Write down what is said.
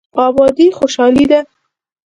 ابادي خوشحالي ده.